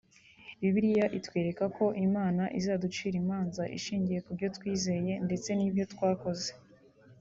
Bibiliya itwereka ko Imana izaducira imanza inshingiye kubyo twizeye ndetse nibyo twakoze